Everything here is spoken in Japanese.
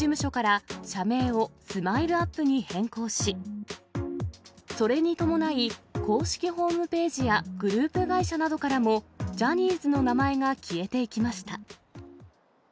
おととい、ジャニーズ事務所から、社名をスマイルアップに変更し、それに伴い、公式ホームページやグループ会社などからも、ジャニーズの名前が消えていきました。